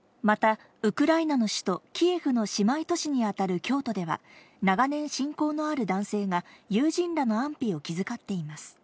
また、ウクライナの首都キエフの姉妹都市に当たる京都では、長年、親交のある男性が、友人らの安否を気遣っています。